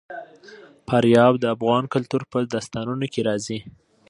فاریاب د افغان کلتور په داستانونو کې راځي.